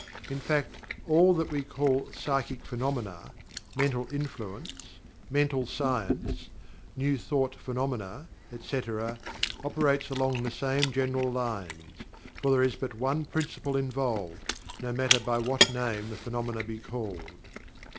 In fact all that we call "psychic phenomena,"; "mental influence"; "mental science"; "new thought phenomena," etc., operates along the same general lines, for there is but one principle involved, no matter by what name the phenomena be called.